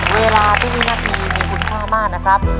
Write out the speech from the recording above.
เวลาทุกวินาทีมีคุณค่ามากนะครับ